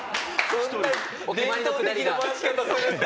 そんな伝統的な回し方するんですか？